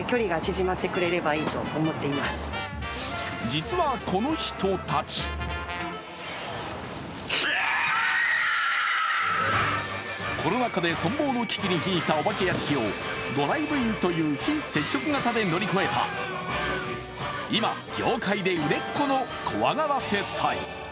実はこの人たちコロナ禍で存亡の危機に瀕したお化け屋敷をドライブインという非接触型で乗り越えた今、業界で売れっ子の怖がらせ隊。